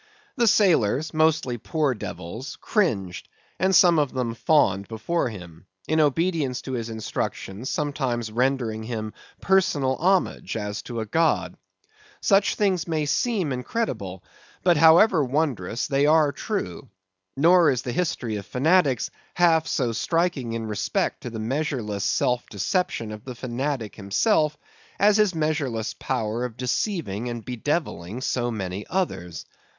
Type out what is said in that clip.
The sailors, mostly poor devils, cringed, and some of them fawned before him; in obedience to his instructions, sometimes rendering him personal homage, as to a god. Such things may seem incredible; but, however wondrous, they are true. Nor is the history of fanatics half so striking in respect to the measureless self deception of the fanatic himself, as his measureless power of deceiving and bedevilling so many others.